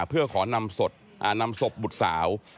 เพื่อขอนำศพบุตรสาว